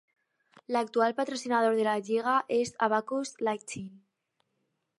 L'actual patrocinador de la lliga és Abacus Lighting.